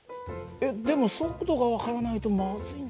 えっでも速度が分からないとまずいんじゃ。